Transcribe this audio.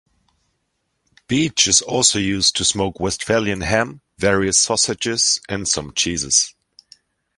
Beech is also used to smoke Westphalian ham, various sausages, and some cheeses.